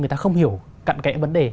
người ta không hiểu cận kẽ vấn đề